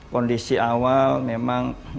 kondisi awal memang